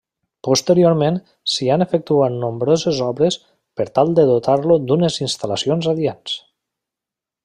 Posteriorment s’hi han efectuat nombroses obres per tal de dotar-lo d’unes instal·lacions adients.